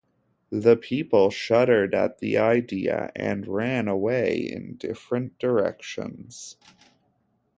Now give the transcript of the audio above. The people shuddered at the idea, and ran away in different directions.